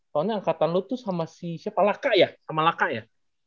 soalnya angkatan laut itu sama si siapa laka ya sama laka ya